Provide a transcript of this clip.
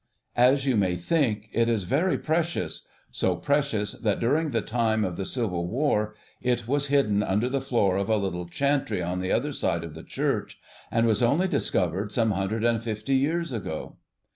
As you may think, it is very precious, so precious that during the time of the Civil War it was hidden under the floor of a little chantry on the other side of the church, and was only discovered some hundred and fifty years ago.